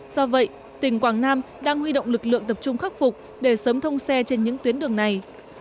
do vậy tỉnh quảng nam đang huy động lực lượng tập trung khắc phục để sớm thông xe trên những tuyến đường này